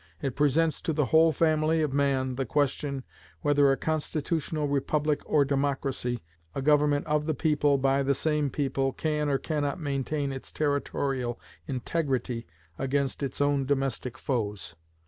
It presents to the whole family of man the question whether a constitutional Republic or Democracy a Government of the people by the same people can or cannot maintain its territorial integrity against its own domestic foes.